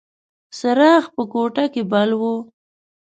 څراغ په کوټه کې بل و.